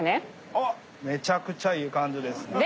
あっめちゃくちゃいい感じです。